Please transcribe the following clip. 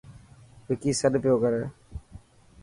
وڪي سڏ پيو ڪري.